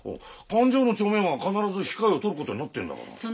勘定の帳面は必ず控えを取ることになってんだから。